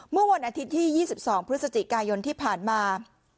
เมื่อวันอาทิตย์ที่๒๒พฤศจิกายนที่ผ่านมา